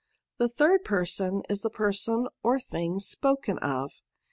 The third person is the person or thing spoken of.